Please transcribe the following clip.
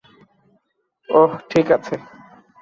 ওহ, ঠিক আছে।